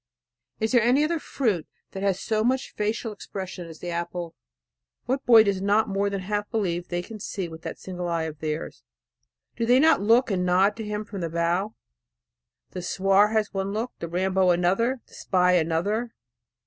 Is there any other fruit that has so much facial expression as the apple? What boy does not more than half believe they can see with that single eye of theirs? Do they not look and nod to him from the bough? The swaar has one look, the rambo another, the spy another.